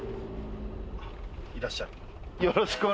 いらっしゃる。